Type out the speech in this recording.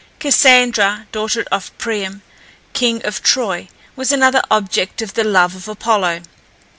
Cassandra, daughter of Priam, king of Troy, was another object of the love of Apollo.